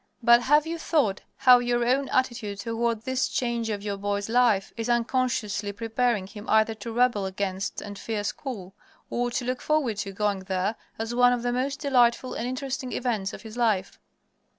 But have you thought how your own attitude toward this change in your boy's life is unconsciously preparing him either to rebel against and fear school, or to look forward to going there as one of the most delightful and interesting events of his life?